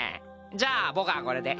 じゃあ僕はこれで。